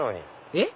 えっ？